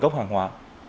nguồn gốc hàng hóa